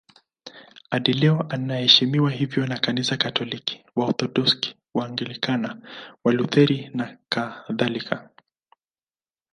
Hadi leo anaheshimiwa hivyo na Kanisa Katoliki, Waorthodoksi, Waanglikana, Walutheri nakadhalika.